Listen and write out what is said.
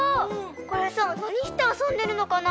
これさなにしてあそんでるのかな？